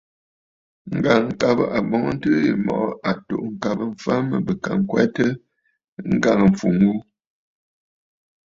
Ŋ̀gàŋkabə àbɔ̀ŋəntɨɨ yì mɔ̀ʼɔ à tù'û ŋ̀kabə mfa mə bɨ ka ŋkwɛtə ŋgàŋâfumə ghu.